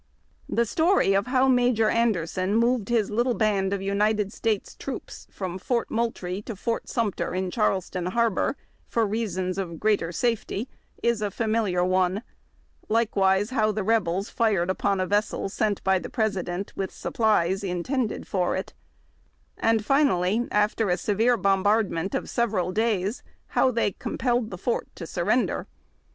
The story of how Major Anderson removed liis little band of United States troops from Fort Moultrie to Foi t Sumter, in Charleston Harbor, for reasons of greater safety, is a familiar one , likewise how the rebels fired upon a vessel sent by the President with supplies intended for it ; and, finally, after a severe bombardment of several days, how they compelled the fort to surrender.